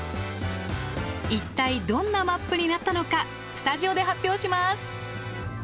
一体どんなマップになったのかスタジオで発表します。